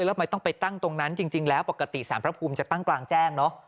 แล้วทำไมต้องไปตั้งตรงนั้นจริงแล้วปกติสารพระภูมิจะตั้งกลางแจ้งเนอะ